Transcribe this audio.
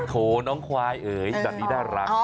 โถน้องควายเอ๋ยแบบนี้น่ารัก